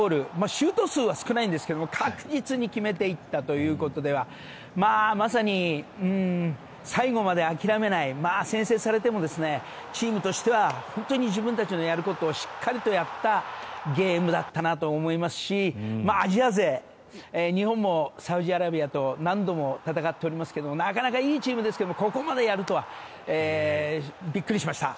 シュート数は少ないんですが確実に決めていったということではまさに最後まで諦めない先制されてもチームとしては自分たちのやることをしっかりとやったゲームだったなと思いますしアジア勢日本もサウジアラビアと何度も戦っておりますがなかなかいいチームですけどここまでやるとはびっくりしました。